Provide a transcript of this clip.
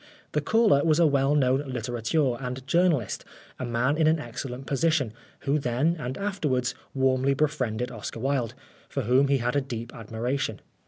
The caller was a well known litterateur and journalist, a man in an excellent position, who then and afterwards warmly befriended Oscar Wilde, for whom he had a deep admiration.